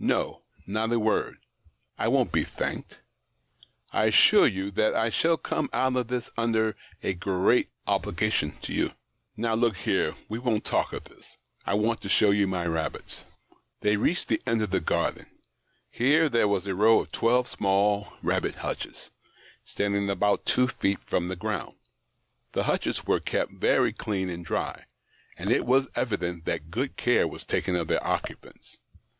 No, not a word. I won't be thanked — I assure you that I shall come out of this under a great obligation to you. Now, look here, we won't talk of this ; I want to show you my rabbits." They had reached the end of the garden. Here there was a row of twelve small rabbit hutches, standing about two feet from the ground. The hutches were kept very clean and dry, and it was evident that good care was taken of their occupants.